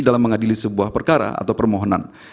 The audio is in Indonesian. dalam mengadili sebuah perkara atau permohonan